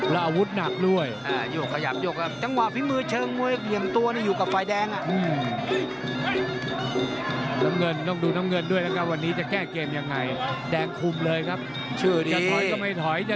แล้วอาวุธหนักด้วย